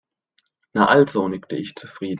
Na also, nickte ich zufrieden.